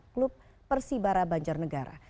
klub persibara banjarnegara